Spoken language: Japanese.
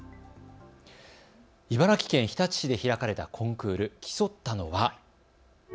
茨城県日立市で開かれたコンクール、競ったのは。